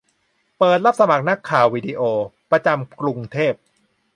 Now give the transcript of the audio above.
เปิดรับสมัครนักข่าววิดีโอ ประจำกรุงเทพ